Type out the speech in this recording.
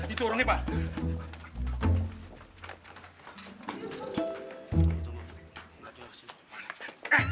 itu orangnya pak